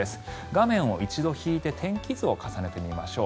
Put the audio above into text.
画面を一度引いて天気図を重ねてみましょう。